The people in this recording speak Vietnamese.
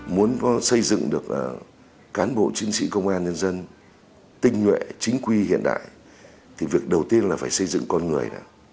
muốn xây dựng được cán bộ chiến sĩ công an nhân dân tinh nguyện chính quy hiện đại thì việc đầu tiên là phải xây dựng con người